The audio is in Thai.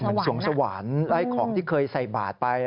เหมือนสวงสวรรค์และของที่เคยใส่บาทไป